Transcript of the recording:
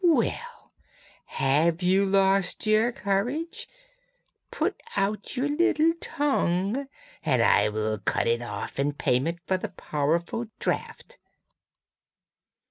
Well! have you lost courage? Put out your little tongue, and I will cut it off in payment for the powerful draught.'